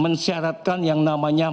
mensyaratkan yang namanya